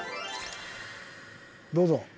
どうぞ。